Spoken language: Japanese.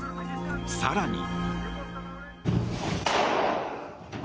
更に。